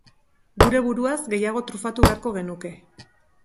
Gure buruaz gehiago trufatu beharko genuke!